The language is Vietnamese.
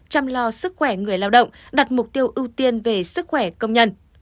chăm lo sức khỏe người lao động đặt mục tiêu ưu tiên về sức khỏe công nhân